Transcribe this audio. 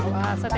wah seteti ya